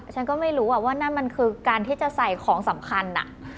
ฉันก็ไม่รู้ว่านั่นมันคือการที่จะใส่ของสำคัญ